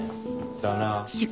だな。